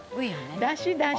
だしだし。